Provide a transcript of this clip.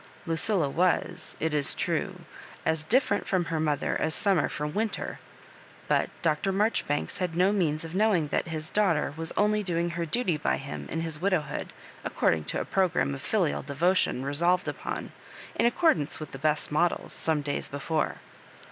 Lucilla was, it is true, as different from her mother as summer fbom winter; but Dr. Mar joribanks had no means of knowmg that his daughter was only domg her duty by him m his widowhood, according to a programme of filial devotion resolved upon, in accordance with the best models, some days before.